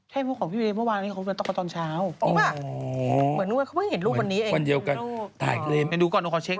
ใช่ลูกของพี่เรยเมื่อวานเขาก็ต้องกันตอนเช้าอ๋อเหมือนกันเขาเพิ่งเห็นลูกวันนี้เอง